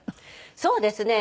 そうですね。